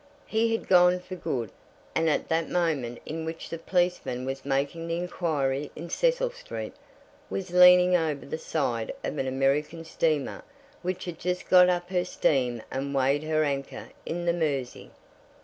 He had gone for good, and at the moment in which the policeman was making the inquiry in Cecil Street, was leaning over the side of an American steamer which had just got up her steam and weighed her anchor in the Mersey.